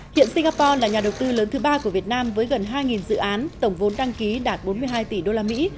hiện singapore là nhà đầu tư lớn thứ ba của việt nam với gần hai dự án tổng vốn đăng ký đạt bốn mươi hai tỷ usd